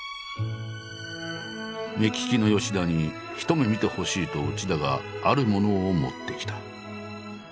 目利きの田にひと目見てほしいと内田があるものを持ってきた。